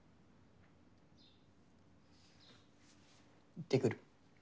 行ってくる。